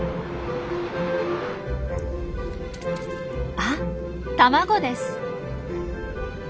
あっ卵です。